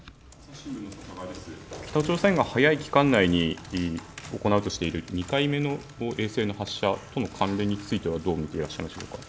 北朝鮮が早い期間内に行うとしている２回目の衛星の発射との関連についてはどう見ていますか。